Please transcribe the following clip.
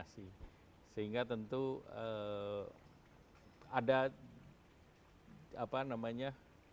sehingga tentu ada apa namanya